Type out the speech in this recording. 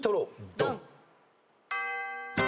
ドン！